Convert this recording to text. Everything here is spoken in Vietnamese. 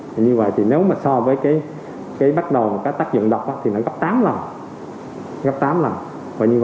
vì vậy nếu so với tác dụng độc nó gấp tám lần